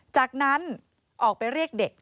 จากนั้นออกไปเรียกเด็ก